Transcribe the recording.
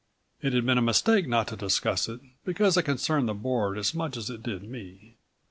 It had been a mistake not to discuss it, because it concerned the Board as much as it did me.